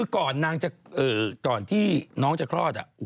ก่อนน้องจะต้องคลอด